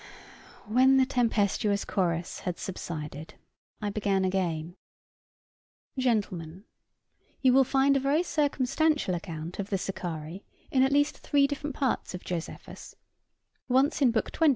When the tempestuous chorus had subsided, I began again: "Gentlemen, you will find a very circumstantial account of the Sicarii in at least three different parts of Josephus; once in Book XX.